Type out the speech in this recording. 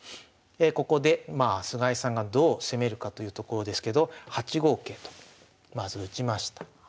ここで菅井さんがどう攻めるかというところですけど８五桂とまず打ちました。